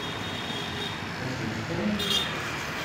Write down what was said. Ad k-ten-fken?